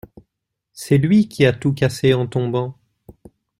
C’est lui qui a tout cassé en tombant.